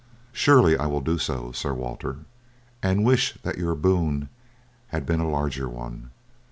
"Surely I will do so, Sir Walter, and wish that your boon had been a larger one.